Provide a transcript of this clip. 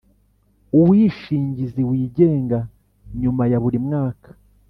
uwishingizi wigenga nyuma ya buri mwaka